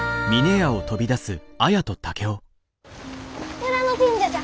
裏の神社じゃ！